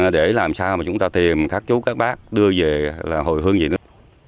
để làm sao mà chúng ta tìm các chú các bác đưa về là hồi hương gì nữa